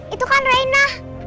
itu kan rena